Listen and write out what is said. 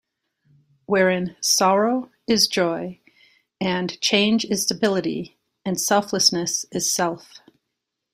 Wherein Sorrow is Joy, and Change is Stability, and Selflessness is Self.